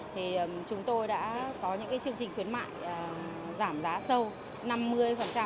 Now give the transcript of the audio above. thì chúng tôi đã có những chương trình khuyến mại giảm giá sâu năm mươi